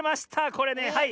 これねはい。